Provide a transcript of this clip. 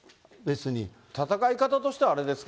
戦い方としてはあれですか？